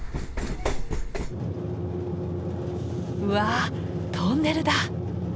うわトンネルだ。